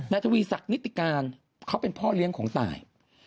ทวีศักดิติการเขาเป็นพ่อเลี้ยงของตาย